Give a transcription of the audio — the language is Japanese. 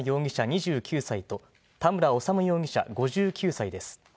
２９歳と、田村修容疑者５９歳です。